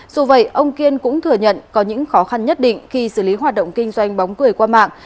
dù vậy ông kiên cũng thừa nhận có những khó khăn nhất định khi xử lý hoạt động kinh doanh bóng cười qua mạng